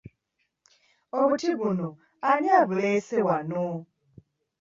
Obuti buno ani abuleese wano?